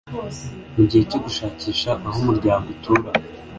Mu gihe cyo gushakisha aho umuryango utura